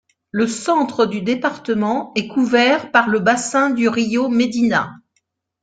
Le centre du département est couvert par le bassin du río Medina.